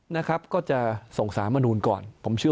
นะครับก็จะส่ง๓อาณูนก่อน